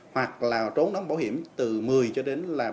hoặc là trốn đóng bảo hiểm từ một mươi cho đến một mươi